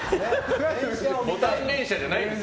ボタン連射じゃないんですよ。